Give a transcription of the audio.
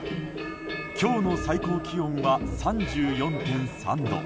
今日の最高気温は３４．３度。